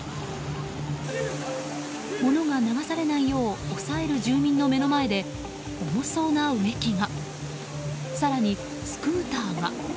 物が流されないよう押さえる住民の目の前で重そうな植木が更にスクーターが。